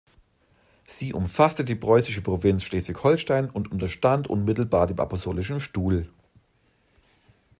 Sie umfasste die preußische Provinz Schleswig-Holstein und unterstand unmittelbar dem Apostolischen Stuhl.